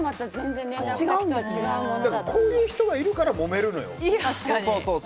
こういう人がいるからもめるのよ。